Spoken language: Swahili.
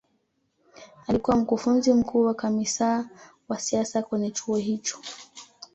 alikuwa mkufunzi mkuu na kamisaa wa siasa kwenye chuo hicho